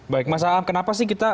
baik mas aam kenapa sih kita